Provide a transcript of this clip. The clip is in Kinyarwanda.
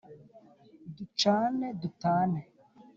ducane dutane!